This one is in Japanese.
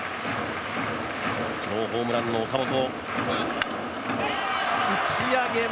今日、ホームランの岡本。